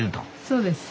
そうです。